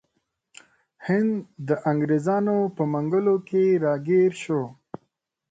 هند د انګریزانو په منګولو کې راګیر شو.